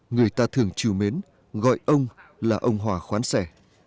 người ta thường chịu mến gọi ông là ông hòa khoán xe